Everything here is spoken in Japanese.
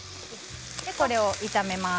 これを炒めます。